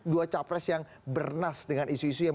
dua capres yang bernas dengan isu isu yang